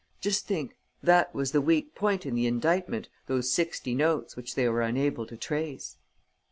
Just think: that was the weak point in the indictment, those sixty notes which they were unable to trace."